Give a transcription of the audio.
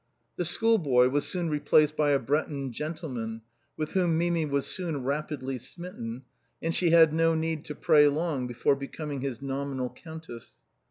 The schoolboy was soon replaced by a Breton gentle man, with whom Mimi was soon rapidly smitten, and she had no need to pray long before becoming his nominal countess.